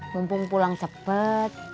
mumpung pulang cepet